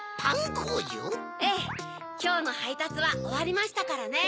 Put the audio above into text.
きょうのはいたつはおわりましたからね。